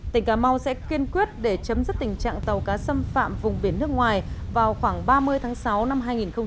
tỉnh cà mau sẽ kiên quyết để chấm dứt tình trạng tàu cá xâm phạm vùng biển nước ngoài vào khoảng ba mươi tháng sáu năm hai nghìn hai mươi